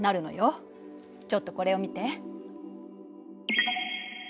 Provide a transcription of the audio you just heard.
ちょっとこれを見て。